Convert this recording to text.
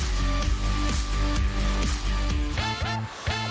คุณผู้ชม